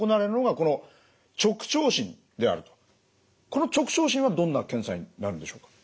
この直腸診はどんな検査になるんでしょうか？